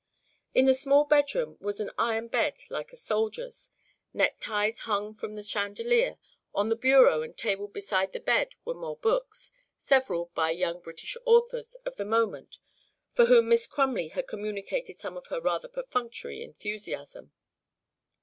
In the small bedroom was an iron bed like a soldier's; neckties hung from the chandelier; on the bureau and table beside the bed were more books, several by the young British authors of the moment for whom Miss Crumley had communicated some of her rather perfunctory enthusiasm.